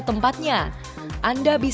sebenarnya nih itu